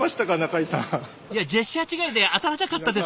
いやジェスチャー違いで当たらなかったです！